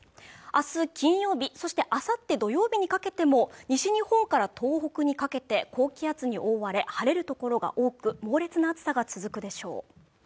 あす金曜日そしてあさって土曜日にかけても西日本から東北にかけて高気圧に覆われ晴れる所が多く猛烈な暑さが続くでしょう